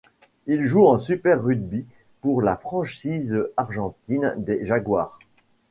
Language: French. Il joue en Super Rugby pour la franchise argentine des Jaguars.